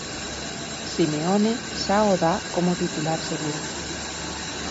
Simeone xa o dá como titular seguro.